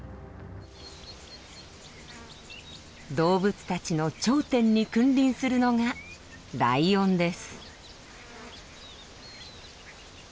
動物たちの頂点に君臨するのがライオンです。